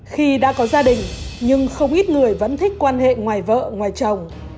khi đã có gia đình nhưng không ít người vẫn thích quan hệ ngoài vợ ngoài chồng